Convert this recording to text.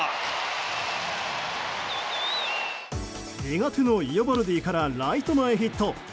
苦手のイオバルディからライト前ヒット。